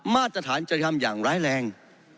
มาตรฐานจะทำอย่างร้ายแรง